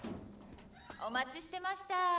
お待ちしてました。